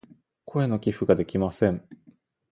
声の寄付ができません。